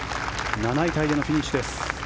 ７位タイでのフィニッシュです。